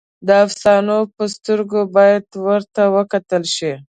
د افسانو په سترګه باید ورته وکتل شي.